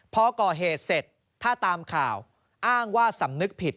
พอก่อเหตุเสร็จถ้าตามข่าวอ้างว่าสำนึกผิด